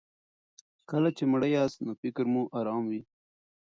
کله چې مړه یاست نو فکر مو ارام وي.